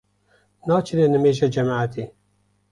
Naçine nimêja cemaetê